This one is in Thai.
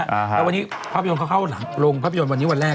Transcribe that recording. แล้ววันนี้ภาพยนตร์เขาเข้าโรงภาพยนตร์วันนี้วันแรก